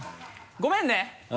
ごめんね。